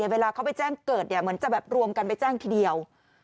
เวลาเขาไปแจ้งเกิดเหมือนจะแบบรวมกันไปแจ้งทีเดียว